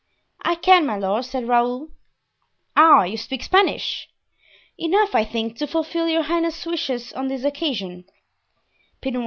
"I can, my lord," said Raoul. "Ah, you speak Spanish?" "Enough, I think, to fulfill your highness's wishes on this occasion."